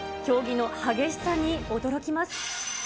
競技の激しさに驚きます。